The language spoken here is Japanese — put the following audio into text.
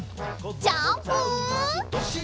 ジャンプ！